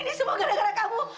ini semua gara gara kamu